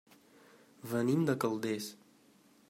Venim de Calders.